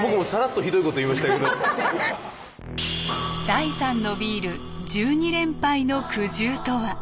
第三のビール１２連敗の苦汁とは？